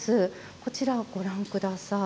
こちらをご覧ください。